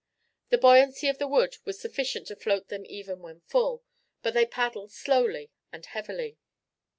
The buoyancy of the wood was sufficient to float them even when full, but they paddled slowly and heavily.